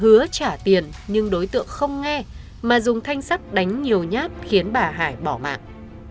hứa trả tiền nhưng đối tượng không nghe mà dùng thanh sắt đánh nhiều nhát khiến bà hải bỏ mạng